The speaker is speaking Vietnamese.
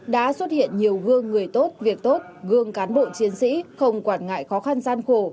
đã xuất hiện nhiều gương người tốt việc tốt gương cán bộ chiến sĩ không quản ngại khó khăn gian khổ